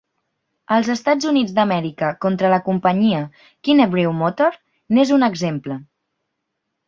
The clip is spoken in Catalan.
"Els Estats Units d'Amèrica contra la companyia Kinnebrew Motor" n'és un exemple.